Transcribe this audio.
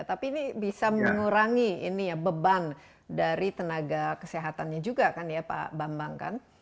tapi ini bisa mengurangi beban dari tenaga kesehatannya juga kan ya pak bambang kan